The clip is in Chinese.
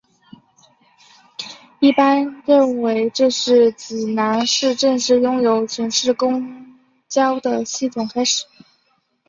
一般认为这是济南市正式拥有城市公交系统的开始。